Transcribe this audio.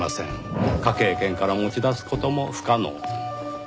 科警研から持ち出す事も不可能。